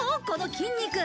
この筋肉